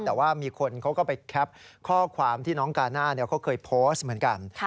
แต่ว่ามีคนเขาก็ไปแคปข้อความที่น้องกาน่าเขาเคยโพสต์เหมือนกัน